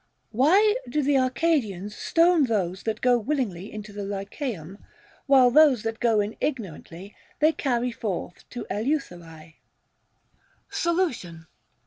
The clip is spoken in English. Why do the Arcadians stone those that go willingly into the Lycaeum, while those that go in igno rantly they carry forth to Eleutherae 1 Solution.